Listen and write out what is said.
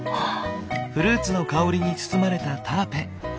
フルーツの香りに包まれたタアペ。